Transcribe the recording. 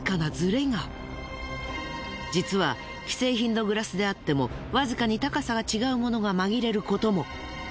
実は既製品のグラスであってもわずかに高さが違うものがまぎれることも。